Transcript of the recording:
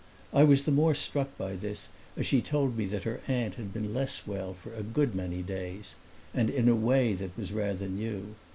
I was the more struck by this as she told me that her aunt had been less well for a good many days and in a way that was rather new.